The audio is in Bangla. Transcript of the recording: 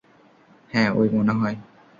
হ্যাঁ, ওই মনে হয়।